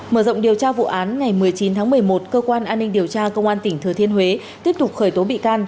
mở rộng điều tra vụ án ngày một mươi chín tháng một mươi một cơ quan an ninh điều tra công an tỉnh thừa thiên huế tiếp tục khởi tố bị can